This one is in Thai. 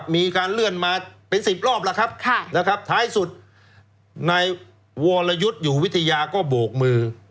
มีการเลื่อนมาเป็น๑๐รอบแล้วครับท้ายสุดในวรยุทธ์อยู่วิทยาก็โบกมือ